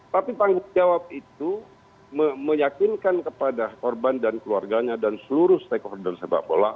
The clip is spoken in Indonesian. tapi tanggung jawab itu meyakinkan kepada korban dan keluarganya dan seluruh stakeholder sepak bola